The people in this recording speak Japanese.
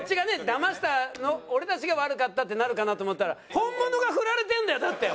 だました俺たちが悪かったってなるかなと思ったら本物がフラれてるんだよだって。